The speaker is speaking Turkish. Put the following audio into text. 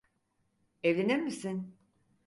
Evlenir misin?